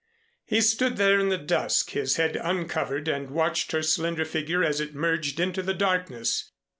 He stood there in the dusk, his head uncovered, and watched her slender figure as it merged into the darkness.